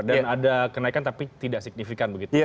dan ada kenaikan tapi tidak signifikan begitu